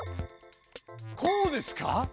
こうですか？